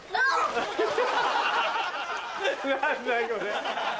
何だこれ。